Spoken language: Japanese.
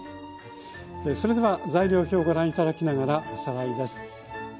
それでは材料表をご覧頂きながらおさらいです。